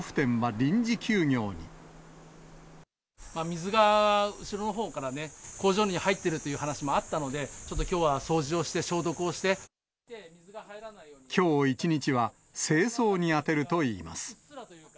水が後ろのほうからね、工場に入ってるっていう話もあったので、ちょっときょうは掃除をきょう１日は、清掃に充てるといいます。